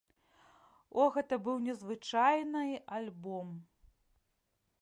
О, гэта быў незвычайны альбом!